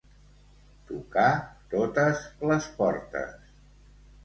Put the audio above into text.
Tocar totes les portes.